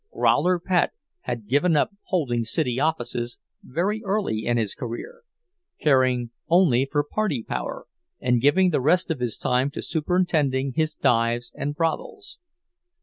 "Growler" Pat had given up holding city offices very early in his career—caring only for party power, and giving the rest of his time to superintending his dives and brothels.